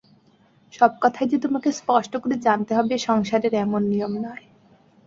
সব কথাই যে তোমাকে স্পষ্ট করে জানাতে হবে সংসারের এমন নিয়ম নয়।